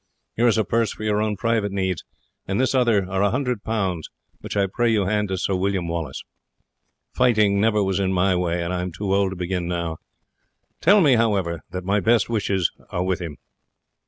Here is a purse for your own private needs, and in this other are a hundred pounds, which I pray you hand to Sir William Wallace. Fighting never was in my way, and I am too old to begin now. Tell him, however, that my best wishes are with him.